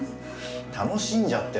楽しんじゃってる。